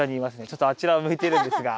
ちょっとあちらを向いているんですが。